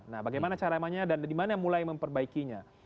nah bagaimana caranya dan dimana mulai memperbaikinya